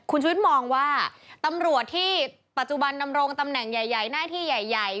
คุณชุวิตมองว่าตำรวจที่ปัจจุบันดำรงตำแหน่งใหญ่หน้าที่ใหญ่